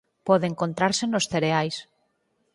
Pode encontrarse nos cereais.